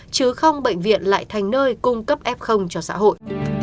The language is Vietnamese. chứ không bệnh viện lại thành nơi cung cấp f cho xã hội